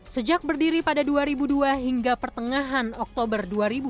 sejak berdiri pada dua ribu dua hingga pertengahan oktober dua ribu dua puluh